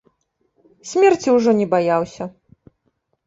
Смерці ўжо не баяўся.